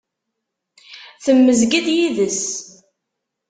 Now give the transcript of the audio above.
Temmezg-d yid-s.